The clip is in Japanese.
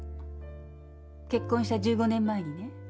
結婚した１５年前にね。